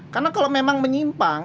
karena kalau memang menyimpang